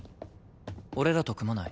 俺らと組まない？